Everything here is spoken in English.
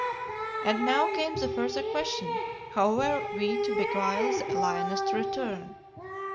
And now came the further question, how were we to beguile the lioness to return?